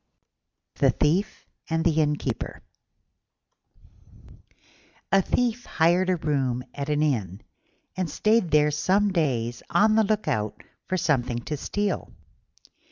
THE THIEF AND THE INNKEEPER A Thief hired a room at an inn, and stayed there some days on the look out for something to steal.